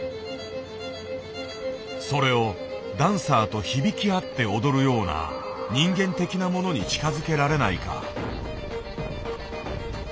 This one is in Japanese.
それをダンサーと響き合って踊るような人間的なものに近づけられないか。